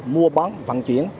mua bán vận chuyển